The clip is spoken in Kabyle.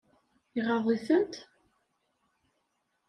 Iɣaḍ-itent?